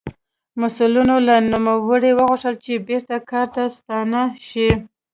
مسوولینو له نوموړي وغوښتل چې بېرته کار ته ستانه شي.